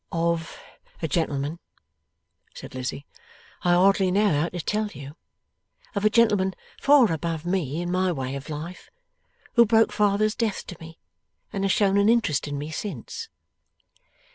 'Of a gentleman,' said Lizzie. ' I hardly know how to tell you of a gentleman far above me and my way of life, who broke father's death to me, and has shown an interest in me since.